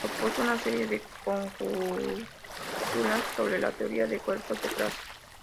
Propuso una serie de conjeturas sobre la teoría de cuerpos de clases.